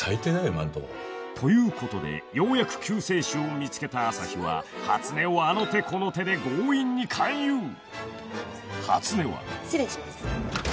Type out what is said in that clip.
今んとこ。ということでようやく救世主を見つけた朝陽は初音をあの手この手で強引に勧誘初音は失礼します。